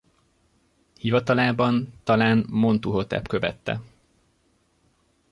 Hivatalában talán Montuhotep követte.